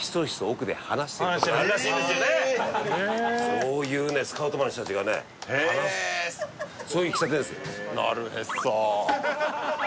そういうねスカウトマンの人達がね話すそういう喫茶店ですなるへそ